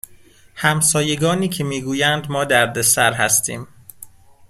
همسایگانی که می گویند ما دردسر هستیم